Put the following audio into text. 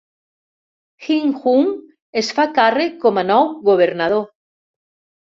Hin-hung es fa càrrec com a nou governador.